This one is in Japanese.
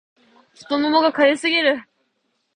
太ももが痒すぎる